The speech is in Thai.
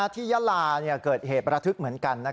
ที่ยาลาเกิดเหตุประทึกเหมือนกัน